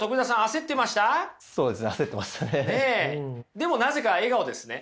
でもなぜか笑顔ですね。